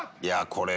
これ。